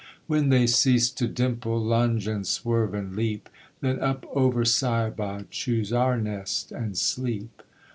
When they cease to dimple, Lunge, and swerve, and leap, Then up over Siabod, Choose our nest, and sleep.